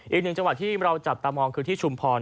อีกหนึ่งจังหวัดที่เราจับตามองคือที่ชุมพร